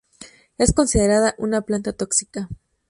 Es considerada una planta tóxica.